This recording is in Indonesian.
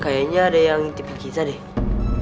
kayaknya ada yang ngitipin kita deh